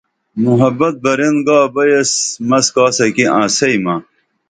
محبت برین گابہ ایس مس کاسہ کی انسئی مہ